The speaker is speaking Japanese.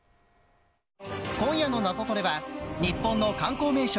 今夜の「ナゾトレ」は日本の観光名所